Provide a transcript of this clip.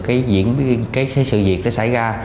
cái diễn biến cái sự diệt đã xảy ra